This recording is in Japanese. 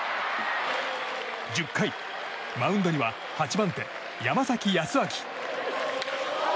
１０回、マウンドには８番手、山崎康晃。